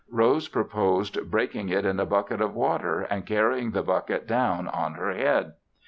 Rose proposed breaking it in a bucket of water and carrying the bucket down on her head.